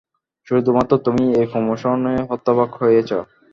শুধুমাত্র তুমিই এই প্রমোশনে হতবাক হয়েছে।